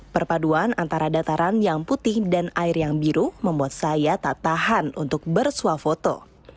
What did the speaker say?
perpaduan antara dataran yang putih dan air yang biru membuat saya tak tahan untuk bersuah foto